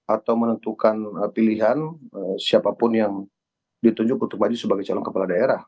atau menentukan pilihan siapapun yang ditunjuk untuk maju sebagai calon kepala daerah